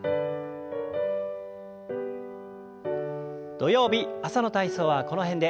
土曜日朝の体操はこの辺で。